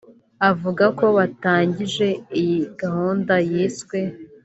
Avuga ko batangije iyi gahunda yiswe